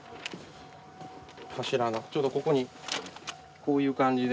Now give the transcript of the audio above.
ちょうどここにこういう感じで。